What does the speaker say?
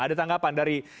ada tanggapan dari